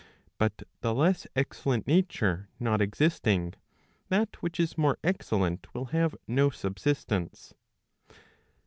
But the less excellent nature not existing, that which is more excellent will have no subsistence.